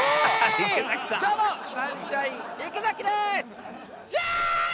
どうもサンシャイン池崎です。